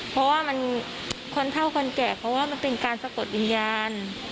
เพราะว่ามันคนเท่าคนแก่เพราะว่ามันเป็นการสะกดวิญญาณ